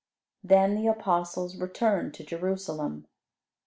Then the apostles returned to Jerusalem.